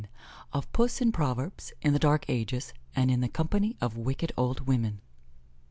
] _Of Puss in Proverbs, in the Dark Ages, and in the Company of Wicked Old Women.